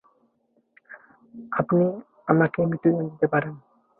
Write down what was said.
আপনি আমাকে মৃত্যুদণ্ড দিতে পারেন।